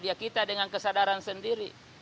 ya kita dengan kesadaran sendiri